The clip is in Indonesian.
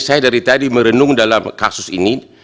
saya dari tadi merenung dalam kasus ini